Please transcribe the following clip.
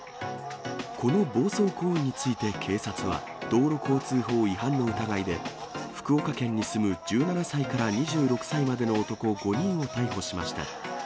この暴走行為について、警察は道路交通法違反の疑いで、福岡県に住む１７歳から２６歳までの男５人を逮捕しました。